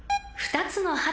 ［２つの］